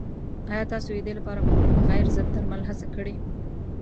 ایا تاسو د دې لپاره کوم غیر ضد درمل هڅه کړې؟